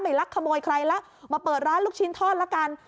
ลักขโมยใครละมาเปิดร้านลูกชิ้นทอดละกัน